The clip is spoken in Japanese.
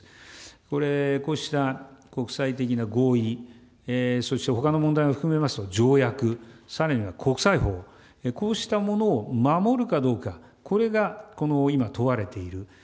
これ、こうした国際的な合意、そしてほかの問題も含めますと条約、さらには国際法、こうしたものを守るかどうか、これがこの今、問われている。